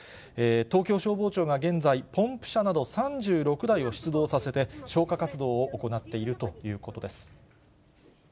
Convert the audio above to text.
東京消防庁が現在、ポンプ車など３６台を出動させて、消火活動を行っているということです。